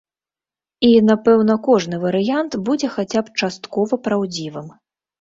І, напэўна, кожны варыянт будзе хаця б часткова праўдзівым.